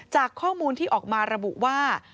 จากข้อมูลที่ออกมาระบุว่า